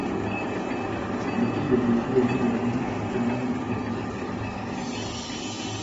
La ville est laissée aux mains de la milice ottomane qui la saccage.